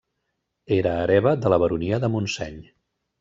Era hereva de la Baronia de Montseny.